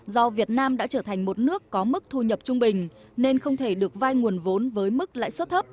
do việt nam đã trở thành một nước có mức thu nhập trung bình nên không thể được vai nguồn vốn với mức lãi suất thấp